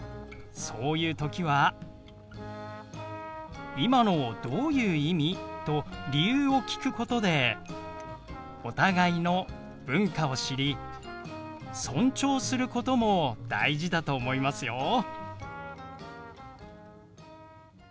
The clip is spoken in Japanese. そういう時は「今のどういう意味？」と理由を聞くことでお互いの文化を知り尊重することも大事だと思いますよ。